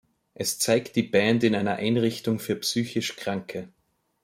Es zeigt die Band in einer Einrichtung für psychisch Kranke.